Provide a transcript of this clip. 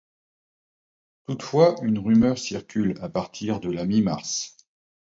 Toutefois une rumeur circule à partir de la mi-mars.